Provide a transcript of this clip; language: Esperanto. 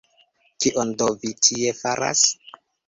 Kion do vi tie faras?